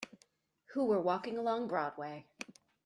Who were walking along Broadway.